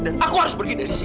dan aku harus pergi dari sini